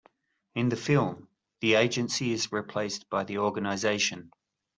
In the film, the Agency is replaced by the Organization.